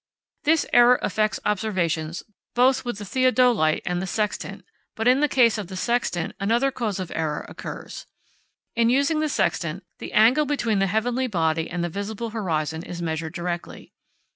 This error affects observations both with the theodolite and the sextant, but in the case of the sextant another cause of error occurs. In using the sextant, the angle between the heavenly body and the visible horizon is measured directly.